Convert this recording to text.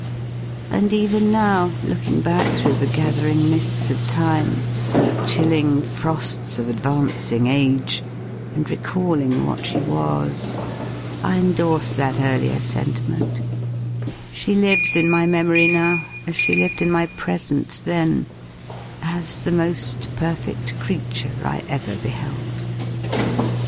And even now, looking back through the gathering mists of time and the chilling frosts of advancing age, and recalling what she was, I endorse that earlier sentiment she lives in my memory now, as she lived in my presence then, as the most perfect creature I ever beheld.